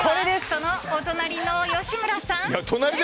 そのお隣の吉村さん。